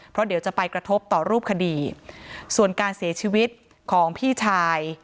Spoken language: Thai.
เพราะเดี๋ยวจะไปกระทบต่อรูปคดีส่วนการเสียชีวิตของพี่ชาย